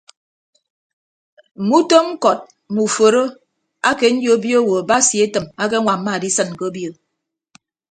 Mme utom ñkọt mme uforo ake nyobio owo basi etịm akeñwamma adisịn ke obio.